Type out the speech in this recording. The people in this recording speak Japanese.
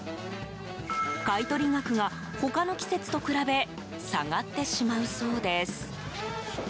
買い取り額が、他の季節と比べ下がってしまうそうです。